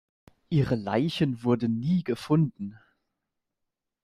Ihre Leichen wurden nie gefunden.